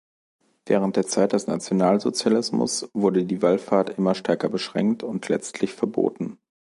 Während der Zeit des Nationalsozialismus wurde die Wallfahrt immer stärker beschränkt und letztlich verboten.